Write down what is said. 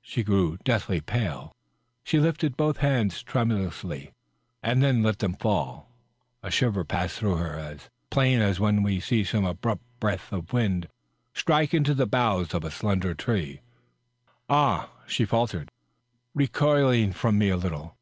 She grew deathly pale. She lifted both hands tremulously, and then let them fall. A shiver passed through her, as plain as when we see some abrupt breath of wind strike into the boughs of a slendex tree. " Ah I" she faltered, recoiling from me a little.